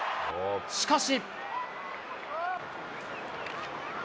しかし。